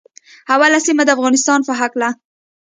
اول سیمه د افغانستان په هکله